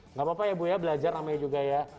nggak apa apa ya bu ya belajar namanya juga ya